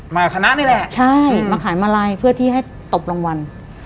คณะนี่แหละใช่มาขายมาลัยเพื่อที่ให้ตบรางวัล